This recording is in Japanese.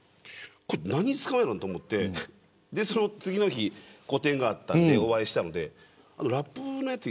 これ何に使うのと思ってそれで次の日個展があったんでお会いしたのであのラップのやつ